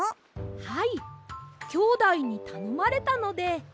はいきょうだいにたのまれたので。